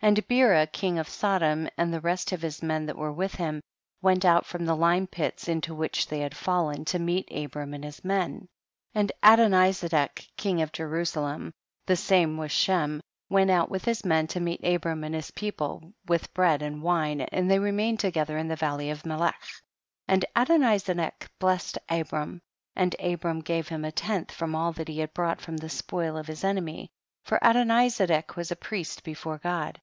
10. And Beraking of Sodom, and the rest of his men that were with him, went out from the lime pits in to which they had fallen, to meet Abram and his men. 11. And Adonizedek king of Jeru salem, the same was Shem, went out with his men to meet Abram and his people, with bread and wine, and thev remained together in the valley of Melech. 12. And Adonizedek blessed Ab ram, and Abram gave him a tenth from all that he had brought froiu the spoil of his enemies, for Adoni zedek was a priest before God.